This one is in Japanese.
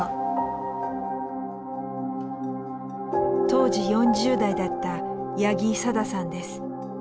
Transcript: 当時４０代だった八木さださんです。